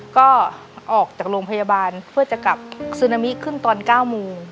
ก็ออกจากโรงพยาบาลเพื่อจะกลับซึนามิขึ้นตอน๙โมง